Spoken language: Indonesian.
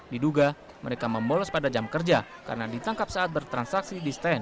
diduga mereka membolos pada jam kerja karena ditangkap saat bertransaksi di stand